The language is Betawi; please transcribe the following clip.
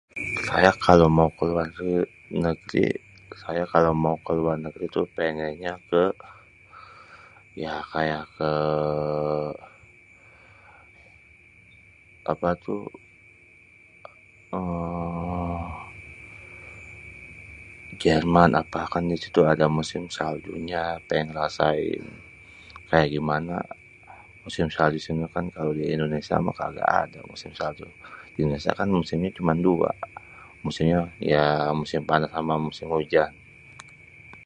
Saya kalo mau ke luar negèri, saya kalo mau ke luar negèri tuh pengènnya ke, yah kayak ke apa tuh, êêê Jerman apa kan di situ ada musim saljunya. Pengèn ngerasain kayak gimana musim salju. Soalnya kan kalo di Indonesia mah kagak ada musim salju. Di Indonesia kan musimnya cuma dua. Musimnya ya musim panas sama musim hujan.